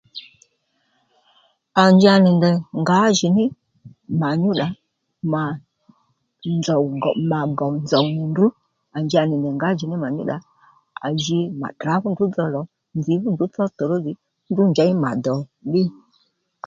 À nja nì ndèy ngǎjìní mà nyúddà mà djòw gòw mà gòw nzòw nì ndrǔ à njà nì ndèy ngǎjìní mà nyúddà à ji mà tdrǎ fú ndrǔ dho lò nzǐ fú ndrǔ thó tòrózì fú ndrǔ njěy mà dò ddí